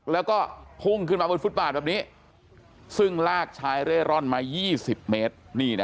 แล้วก็พุ่งขึ้นมาบนฟุตบาทแบบนี้ซึ่งลากชายเร่ร่อนมา๒๐เมตร